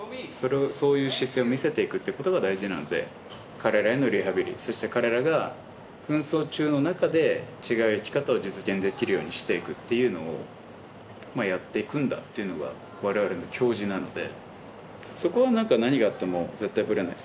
彼らへのリハビリ、そして彼らが紛争中の中で違う生き方を実現できるようにしていくというのをやっていくんだというのが我々の矜持なので。